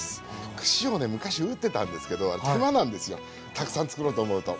串をね昔打ってたんですけどあれ手間なんですよたくさんつくろうと思うと。